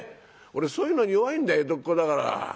俺そういうのに弱いんだよ江戸っ子だから。